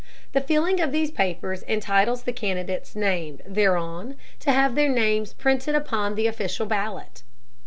The filing of these papers entitles the candidates named thereon to have their names printed upon the official ballot.